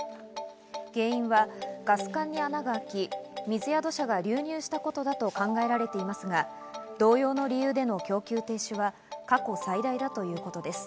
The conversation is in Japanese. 原因はガス管に穴が開き、水や土砂が流入したことだと考えられていますが、同様の理由での供給停止は過去最大だということです。